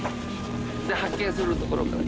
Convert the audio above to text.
で発見するところから。